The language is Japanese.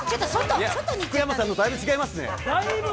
福山さんとだいぶ違いますね。